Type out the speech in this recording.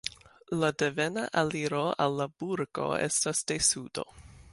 La devena aliro al la burgo estas de sudo.